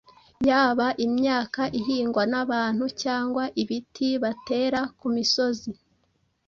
yaba imyaka ihingwa n’abantu cyangwa ibiti batera ku misozi,